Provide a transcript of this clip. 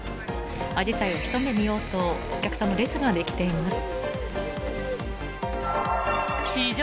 アジサイをひと目見ようとお客さんの列ができています。